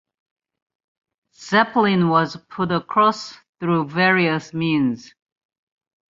Zeppelin was put across through various means.